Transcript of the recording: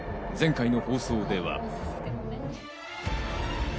前回の放送では。